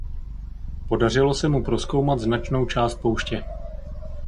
Podařilo se mu prozkoumat značnou část pouště.